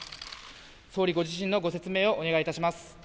総理ご自身のご説明をお願いいたします。